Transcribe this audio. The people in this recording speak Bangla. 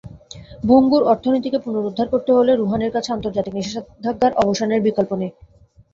ভঙ্গুর অর্থনীতিকে পুনরুদ্ধার করতে হলে রুহানির কাছে আন্তর্জাতিক নিষেধাজ্ঞার অবসানের বিকল্প নেই।